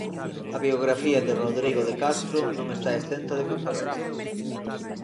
A biografía de Rodrigo de Castro non está exenta de controversias.